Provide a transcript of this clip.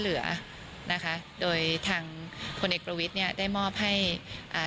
เหลือนะคะโดยทางพลเอกประวิทย์เนี้ยได้มอบให้อ่า